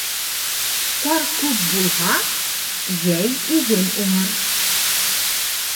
Ҡар күп булһа, йәй иген уңыр.